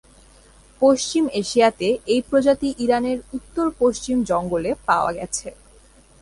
পশ্চিম এশিয়াতে, এই প্রজাতি ইরানের উত্তরপশ্চিম জঙ্গলে পাওয়া গেছে।